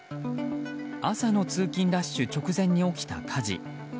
朝の通勤ラッシュ直前に起きた火事。